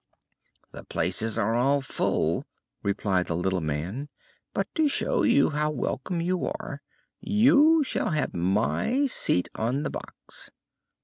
"The places are all full," replied the little man; "but, to show you how welcome you are, you shall have my seat on the box."